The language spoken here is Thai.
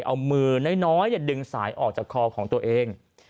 เอามือน้อยดึงสายออกจากคอของตัวเอง